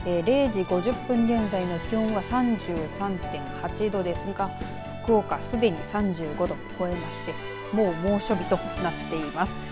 ０時５０分現在の気温は３３．８度ですが福岡、すでに３５度超えましてもう猛暑日となっています。